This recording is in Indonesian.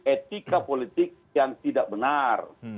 etika politik yang tidak benar